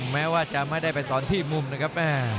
แม้ว่าจะไม่ได้ไปสอนที่มุมนะครับ